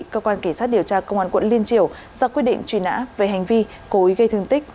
cơ quan kỳ sát điều tra công an quận liên triều do quyết định truy nã về hành vi cối gây thương tích